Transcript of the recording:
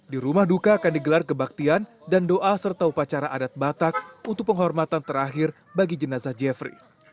di rumah duka akan digelar kebaktian dan doa serta upacara adat batak untuk penghormatan terakhir bagi jenazah jeffrey